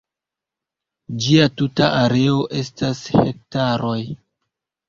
Ĝia tuta areo estas hektaroj.